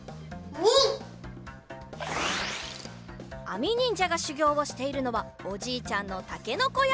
あみにんじゃがしゅぎょうをしているのはおじいちゃんのたけのこやま。